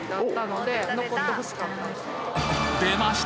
でました！